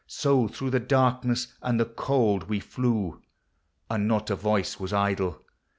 So through the darkness and the cold we Bew, And not a voice was idle.